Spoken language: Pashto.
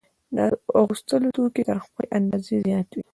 د اغوستلو توکي تر خپلې اندازې زیات وي